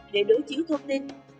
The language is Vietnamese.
để đối chiếu thông tin